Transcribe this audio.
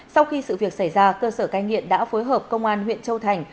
sau khi sự việc xảy ra cơ sở cai nghiện đã phối hợp công an huyện châu thành